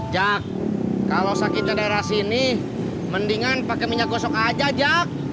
jak kalau sakitnya daerah sini mendingan pakai minyak gosok aja jak